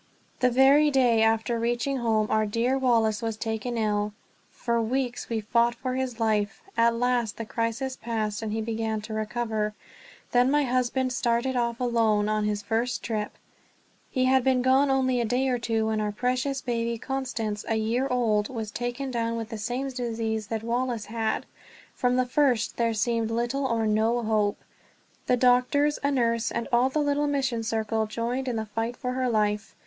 The very day after reaching home our dear Wallace was taken ill. For weeks we fought for his life; at last the crisis passed and he began to recover. Then my husband started off alone on his first trip! He had been gone only a day or two when our precious baby Constance, a year old, was taken down with the same disease that Wallace had. From the first there seemed little or no hope. The doctors, a nurse, and all the little mission circle joined in the fight for her life.